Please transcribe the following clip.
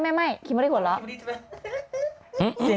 ไม่คิมเบอร์รี่หัวเราะคิมเบอร์รี่ใช่ไหม